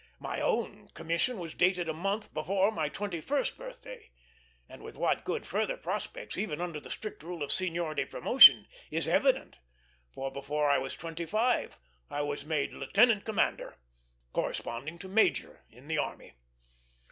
My own commission was dated a month before my twenty first birthday, and with what good further prospects, even under the strict rule of seniority promotion, is evident, for before I was twenty five I was made lieutenant commander, corresponding to major in the army.